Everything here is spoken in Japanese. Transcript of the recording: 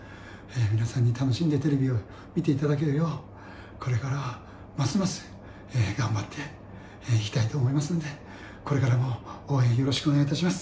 皆さんに楽しんでテレビを見ていただけるよう、これからますます、頑張っていきたいと思いますので、これからも応援、よろしくお願いいたします。